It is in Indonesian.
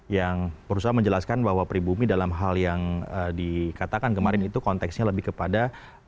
yang berusaha menjelaskan bahwa pribumi dalam hal yang dikatakan kemarin itu konteksnya lebih kepada